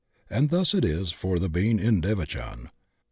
And thus it is for the being in devachan.